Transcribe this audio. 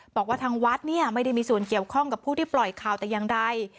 บอกว่าทางวัดเนี่ยไม่ได้มีส่วนเกี่ยวข้องกับผู้ที่ปล่อยข่าวแต่อย่างใด